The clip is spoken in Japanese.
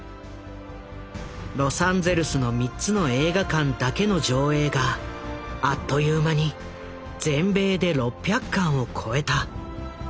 ロサンゼルスの３つの映画館だけの上映があっという間に全米で６００館を超えた。